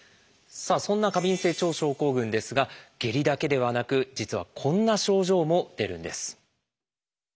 さあそんな過敏性腸症候群ですが下痢だけではなく実はこんな症状も出るんです。